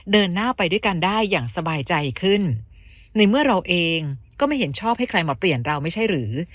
เดินหน้าไปด้วยกันได้อย่างสบายใจขึ้นในเมื่อเราเองก็ไม่เห็นชอบให้ใครมาเปลี่ยนเราไม่ใช่หรือ